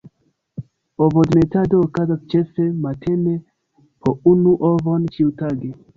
Ovodemetado okazas ĉefe matene, po unu ovon ĉiutage.